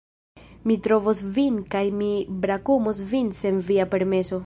Mi trovos vin kaj mi brakumos vin sen via permeso...